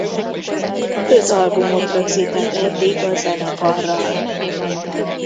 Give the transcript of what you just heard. Öt albumot rögzített eddig a zenekarral.